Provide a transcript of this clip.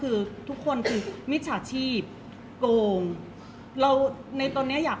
เพราะว่าสิ่งเหล่านี้มันเป็นสิ่งที่ไม่มีพยาน